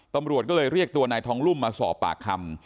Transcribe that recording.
ตำรวจก็เลยเรียกตัวนายทองรุ่มมาสอบปากคำ